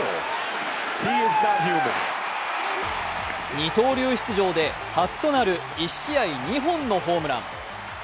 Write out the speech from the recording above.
二刀流出場で初となる１試合２本のホームラン。